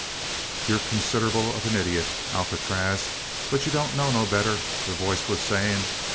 "You're considerable of an idiot, Alcatraz, but you don't know no better," the voice was saying.